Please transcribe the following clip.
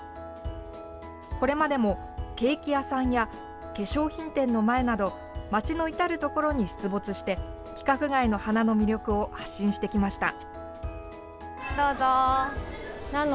これまでもケーキ屋さんや化粧品店の前など町の至る所に出没して規格外の花の魅力を発信してきました。